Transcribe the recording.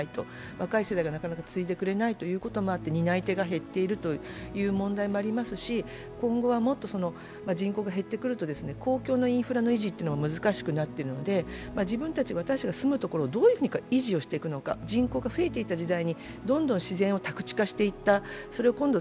若い世代がなかなか継いでくれないということもあって担い手が減っているという問題もありますし、今後は人口が減ってくると公共のインフラの維持が難しくなっているので自分たちが住むところをどう維持していくのか、人口が増えていった時代に、どんどん自然を宅地化していった。